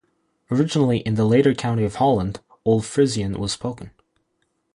Originally in the later county of Holland, Old Frisian was spoken.